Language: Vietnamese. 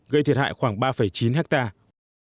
gây thiệt hại khoảng ba chín hectare